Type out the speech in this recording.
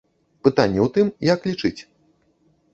Пытанне ў тым, як лічыць.